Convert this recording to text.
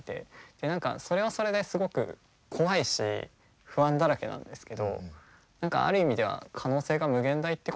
で何かそれはそれですごく怖いし不安だらけなんですけど何かある意味では可能性が無限大ってことかって思って。